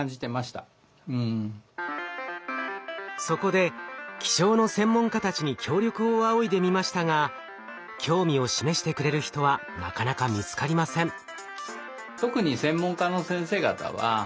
そこで気象の専門家たちに協力を仰いでみましたが興味を示してくれる人はなかなか見つかりません。